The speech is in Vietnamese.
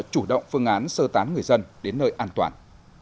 chủ động phương án sơ tán người dân đến nơi an toàn